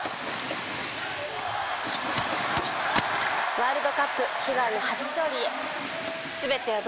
ワールドカップ悲願の初勝利へ